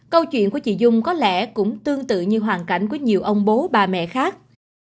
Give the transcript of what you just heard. câu chuyện của chị dung có lẽ cũng tương tự như hoàn cảnh của nhiều ông bố bà mẹ khác